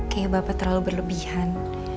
kayak bapak terlalu berlebihan